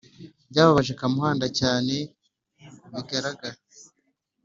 Byababaje Kamuhanda cyane bigaragara